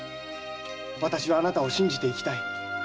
私はあなたを信じて生きたい。